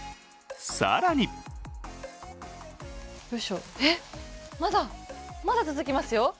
更にえっ、まだ続きますよ。